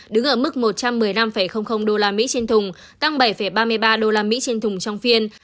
đứng ở mức một trăm một mươi năm usd trên thùng tăng bảy ba mươi ba usd trên thùng trong phiên